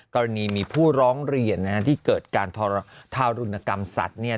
กรณีมีผู้ร้องเรียนที่เกิดการทารุณกรรมสัตว์เนี่ย